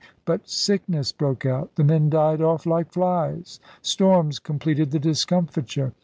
But sickness broke out. The men died off like flies. Storms completed the discomfiture.